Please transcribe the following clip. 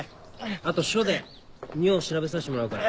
あと署で尿調べさせてもらうから。